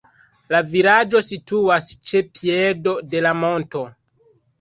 La vilaĝo situas ĉe piedo de la monto.